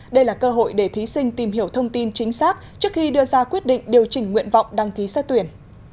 đây là cơ hội để thí sinh tìm hiểu thông tin chính xác trước khi đưa ra quyết định điều chỉnh nguyện vọng đăng ký xét tuyển